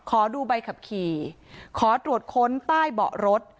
ขอดูใบขับขี่ขอตรวจค้นใต้เบาะรถ